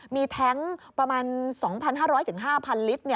มีแท้งประมาณ๒๕๐๐๕๐๐ลิตร